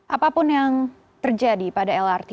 apapun yang terjadi pada lrt